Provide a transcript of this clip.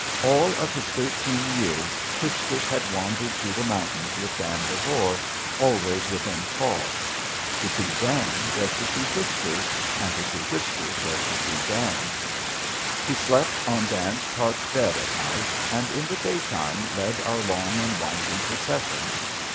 All of his thirteen years, Whiskers had wandered through the mountains with Dan Devore, always within call. To see Dan was to see Whiskers; to see Whiskers was to see Dan. He slept on Dan's tarp bed at night, and in the daytime led our long and winding procession.